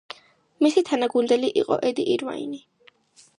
მისი თანაგუნდელი იყო ედი ირვაინი.